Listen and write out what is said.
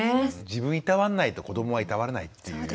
自分いたわんないと子どもはいたわれないっていう。